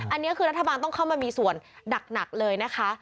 อันนี้คือรัฐบาลต้องเข้ามามีส่วนหนักเลยนะคะ